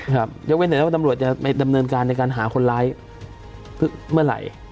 ยกเว้นหน่อยแล้วว่าตำรวจจะไปดำเนินการในการหาคนร้ายเมื่อไหร่